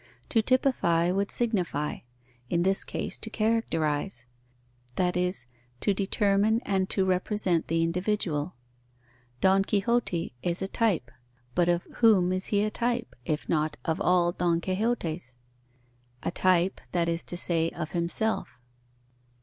To typify would signify, in this case, to characterize; that is, to determine and to represent the individual. Don Quixote is a type; but of whom is he a type, if not of all Don Quixotes? A type, that is to say, of himself.